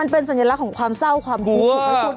เป็นสัญลักษณ์ของความเศร้าความทุกข์ถูกไหมคุณ